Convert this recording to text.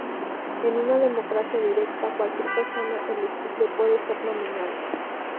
En una democracia directa, cualquier persona elegible puede ser nominada.